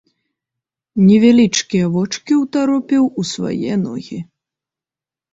Невялічкія вочкі ўтаропіў у свае ногі.